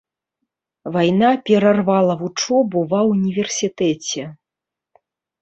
Вайна перарвала вучобу ва ўніверсітэце.